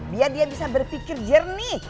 biar dia bisa berpikir jernih